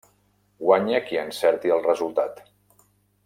Guanya qui encerti el resultat.